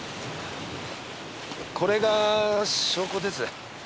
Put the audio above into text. これが証拠です。